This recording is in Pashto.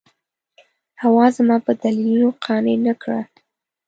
حوا زما په دلیلونو قانع نه کړه.